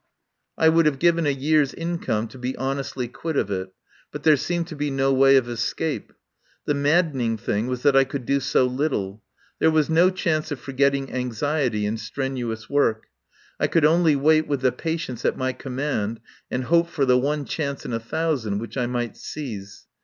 105 THE POWER HOUSE I would have given a year's income to be hon estly quit of it, but there seemed to be no way of escape. The maddening thing was that I could do so little. There was no chance of forgetting anxiety in strenuous work. I could only wait with the patience at my command, and hope for the one chance in a thousand which I might seize.